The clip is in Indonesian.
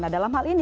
nah dalam hal ini